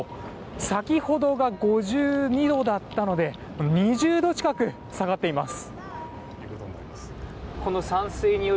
先ほどが５２度だったので２０度近く下がっています。